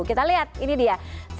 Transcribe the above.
kita lihat ini dia